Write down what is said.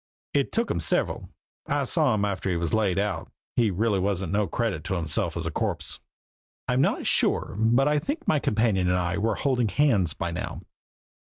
"It took him several. I saw him after he was laid out. He really wasn't no credit to himself as a corpse." I'm not sure, but I think my companion and I were holding hands by now.